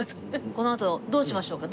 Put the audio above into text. このあとどうしましょうか？